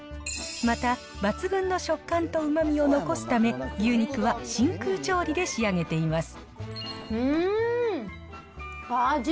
また、抜群の食感とうまみを残すため、牛肉は真空調理で仕上げています。